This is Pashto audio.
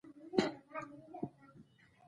دا مېرمن د ده يوازېنۍ حقيقي مينه وه.